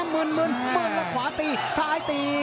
เมินเมินเมินแล้วขวาตีซ้ายตี